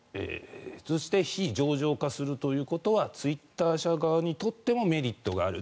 そして非上場化するということはツイッター社側にとってもメリットがある。